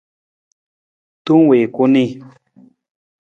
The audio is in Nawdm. Tong wii ku nii.